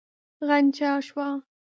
غنجا شوه.